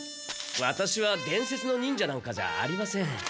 ワタシは伝説の忍者なんかじゃありません。